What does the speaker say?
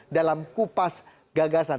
dalam kupas gagasan